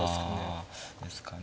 あですかね